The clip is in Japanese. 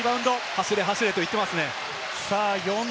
走れ走れと言っていますね。